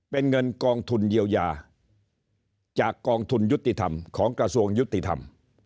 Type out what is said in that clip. เป็นเงินกองทุนเยียวยาจากกองทุนยุติธรรมของกระทรวงยุติธรรม